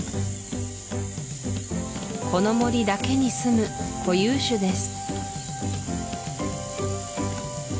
この森だけにすむ固有種です